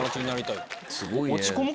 すごいね。